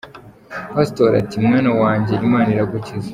Pasitoro, ati : “mwana wanjye, Imana iragukiza”.